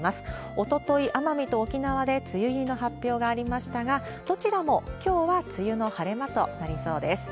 おととい、奄美と沖縄で梅雨入りの発表がありましたが、どちらもきょうは梅雨の晴れ間となりそうです。